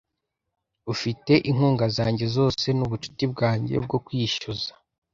Ufite inkunga zanjye zose nubucuti bwanjye bwo kwishyuza